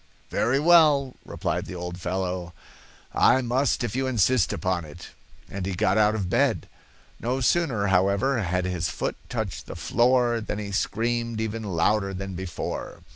'Very well,' replied the old follow; 'I must if you insist upon it.' And he got out of bed. No sooner, however, had his foot touched the floor than he screamed even louder than before.